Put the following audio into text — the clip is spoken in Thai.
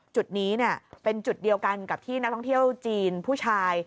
จุดนี้เป็นจุดเดียวกันกับที่นักท่องเที่ยวจีนผู้ชาย